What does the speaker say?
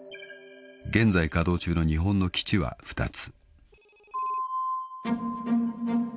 ［現在稼働中の日本の基地は２つ］